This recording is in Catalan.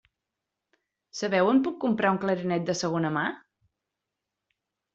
Sabeu on puc comprar un clarinet de segona mà?